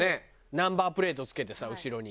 ナンバープレート付けてさ後ろに。